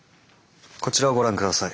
こちらをご覧下さい。